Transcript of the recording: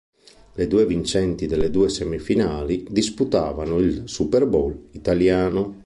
Le due vincenti delle due semifinali disputavano il Superbowl italiano.